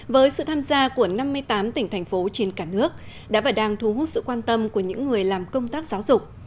với sự tham gia của năm mươi tám tỉnh thành phố trên cả nước đã và đang thu hút sự quan tâm của những người làm công tác giáo dục